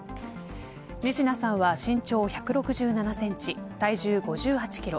仁科さんは身長１６７センチ体重５８キロ。